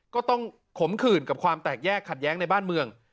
ขมขื่นกับความแตกแยกขัดแย้งในบ้านเมือง